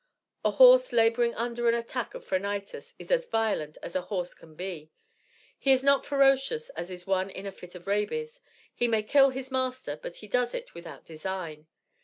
A horse laboring under an attack of phrenitis is as violent as a horse can be. He is not ferocious as is one in a fit of rabies. He may kill his master, but he does it without design.